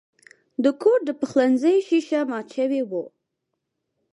د کور د پخلنځي شیشه مات شوې وه.